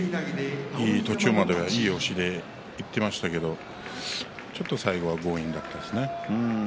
途中まではいい押しでいっていましたけれど最後ちょっと強引だったですね。